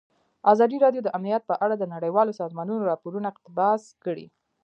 ازادي راډیو د امنیت په اړه د نړیوالو سازمانونو راپورونه اقتباس کړي.